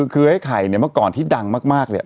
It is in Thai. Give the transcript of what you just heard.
คือไอ้ไข่เมื่อก่อนที่ดังมาก